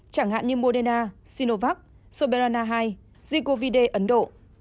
chẳng hạn như moderna sinovac soberana hai zicovide ấn độ